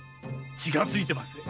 血が付いてますぜ。